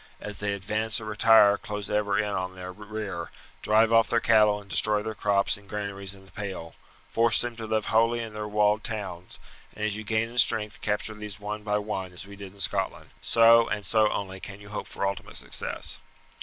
As they advance or retire, close ever in on their rear, drive off their cattle and destroy their crops and granaries in the Pale; force them to live wholly in their walled towns, and as you gain in strength capture these one by one, as did we in Scotland. So, and so only, can you hope for ultimate success."